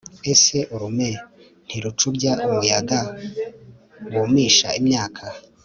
ese urume ntirucubya umuyaga wumisha imyaka